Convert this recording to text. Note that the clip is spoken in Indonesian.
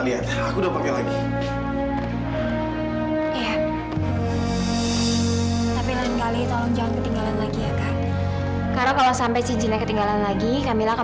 yang lebih tinggi tempat pilihan kebijakan